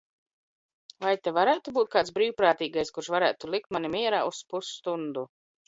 Vai te varētu būt kāds brīvprātīgais, kurš varētu likt mani mierā uz pusstundu?